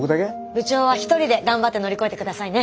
部長は一人で頑張って乗り越えて下さいね。